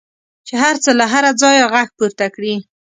چې هر څه له هره ځایه غږ پورته کړي.